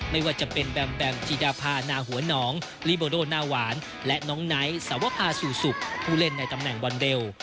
ไม่ว่าจะเป็นแบมแบมจิดาพานาหัวหนองลิโบโดนาหวานและน้องไนท์สวภาสู่สุกผู้เล่นในตำแหน่งบอลเบล